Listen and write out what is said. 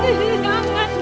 ini kelaluan jatah